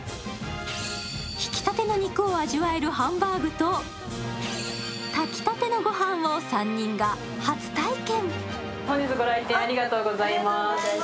ひき立ての肉を味わえるハンバーグと炊きたての御飯を３人が初体験。